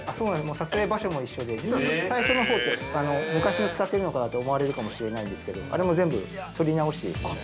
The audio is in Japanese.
◆撮影場所も一緒で、実は最初のほうって昔の使っているのかなと思われるかもしれないんですけど、あれも全部、撮り直してですね。